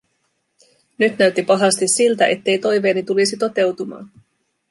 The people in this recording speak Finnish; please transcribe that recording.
Nyt näytti pahasti siltä, ettei toiveeni tulisi toteutumaan.